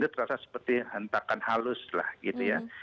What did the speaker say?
terasa seperti hentakan halus lah gitu ya